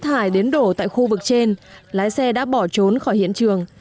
trong khi đổ tại khu vực trên lái xe đã bỏ trốn khỏi hiện trường